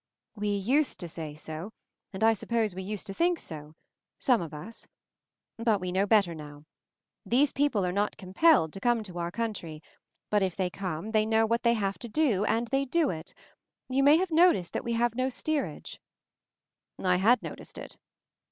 "We used to say so — and I suppose we used to think so — some of us. But we know better now. These people are not com pelled to come to our country, but if they come they know what they have to do — and they do it. You may have noticed that we have no 'steerage/ " I had noticed it.